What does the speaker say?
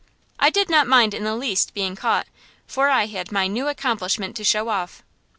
I did not mind in the least being caught, for I had my new accomplishment to show off.